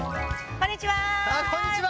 こんにちは。